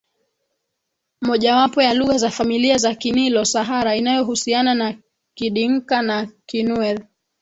mojawapo ya lugha za familia za Kinilo Sahara inayohusiana na Kidinka na Kinuer